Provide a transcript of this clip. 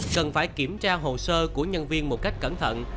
cần phải kiểm tra hồ sơ của nhân viên một cách cẩn thận